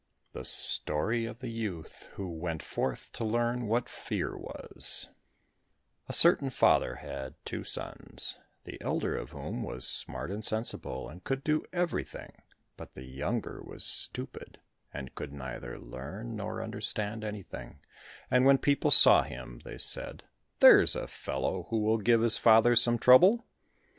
4 The Story of the Youth Who Went Forth to Learn What Fear Was A certain father had two sons, the elder of whom was smart and sensible, and could do everything, but the younger was stupid and could neither learn nor understand anything, and when people saw him they said, "There's a fellow who will give his father some trouble!"